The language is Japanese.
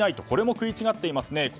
これも食い違っていますね。